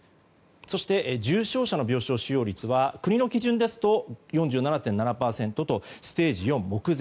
そして、重症者の病床使用率は国の基準ですと４７．７％とステージ４目前。